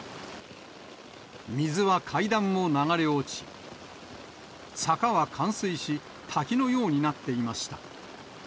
水は階段を流れ落ち、坂は冠水し、滝のようになっていました。